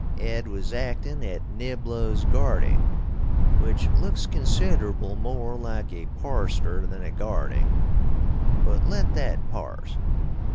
Ed was actin at Niblo's Garding, which looks considerable more like a parster than a garding, but let that pars.